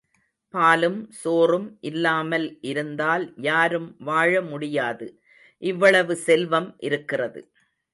பாலும் சோறும் இல்லாமல் இருந்தால் யாரும் வாழ முடியாது. இவ்வளவு செல்வம் இருக்கிறது.